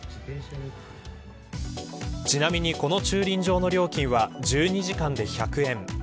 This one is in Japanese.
ちなみにこの駐輪場の料金は１２時間で１００円。